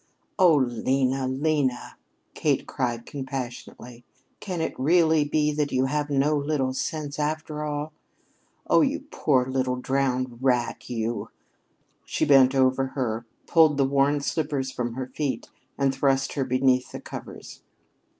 "Oh, Lena, Lena!" Kate cried compassionately. "Can it really be that you have so little sense, after all? Oh, you poor little drowned rat, you." She bent over her, pulled the worn slippers from her feet, and thrust her beneath the covers.